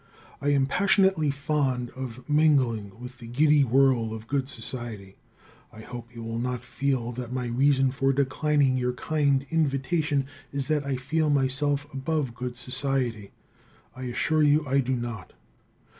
I am passionately fond of mingling with the giddy whirl of good society. I hope you will not feel that my reason for declining your kind invitation is that I feel myself above good society. I assure you I do not.